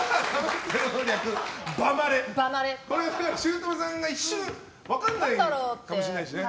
しゅうとめさんが一瞬分からないかもしれないしね。